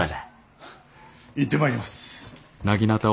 行ってまいります。